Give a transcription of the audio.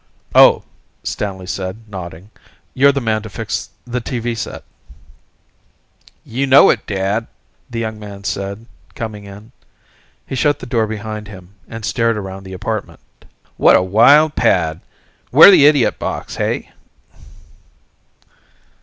"Oh," Stanley said, nodding. "You're the man to fix the TV set." "You know it, Dad," the young man said, coming in. He shut the door behind him, and stared around the apartment. "What a wild pad. Where the idiot box, hey?"